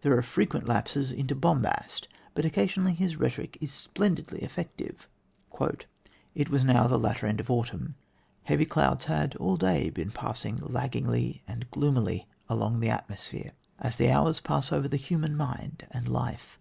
There are frequent lapses into bombast, but occasionally his rhetoric is splendidly effective: "It was now the latter end of autumn; heavy clouds had all day been passing laggingly and gloomily along the atmosphere, as the hours pass over the human mind and life.